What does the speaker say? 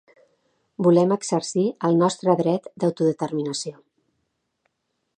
Volem exercir el nostre dret d’autodeterminació.